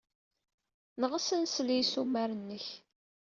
Neɣs ad nsel i yissumar-nnek.